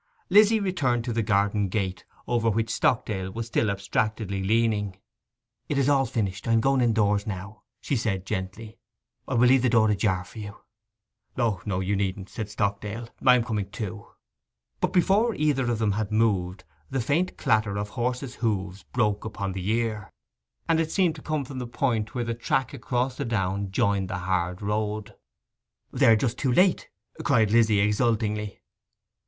Lizzy returned to the garden gate, over which Stockdale was still abstractedly leaning. 'It is all finished: I am going indoors now,' she said gently. 'I will leave the door ajar for you.' 'O no—you needn't,' said Stockdale; 'I am coming too.' But before either of them had moved, the faint clatter of horses' hoofs broke upon the ear, and it seemed to come from the point where the track across the down joined the hard road. 'They are just too late!' cried Lizzy exultingly.